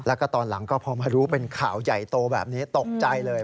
แล้วก็ตอนหลังก็พอมารู้เป็นข่าวใหญ่โตแบบนี้ตกใจเลย